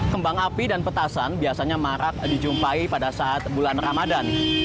kembang api dan petasan biasanya marak dijumpai pada saat bulan ramadan